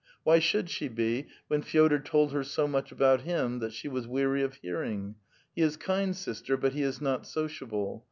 Why should she be, when re6dor told her so much about him that she was weary of hearing? '* He is kind, sister, but he is not sociable.